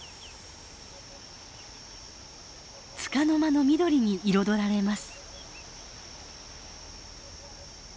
つかの間の緑に彩られます。